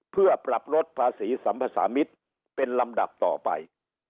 เพื่อปรับลดภาษีสัมภาษามิตรเป็นลำดับต่อไป